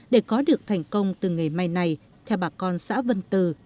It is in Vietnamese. để có được thành công từ nghề may này theo bà con xã vân từ